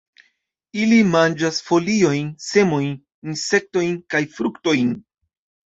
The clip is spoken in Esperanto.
Ili manĝas foliojn, semojn, insektojn kaj fruktojn.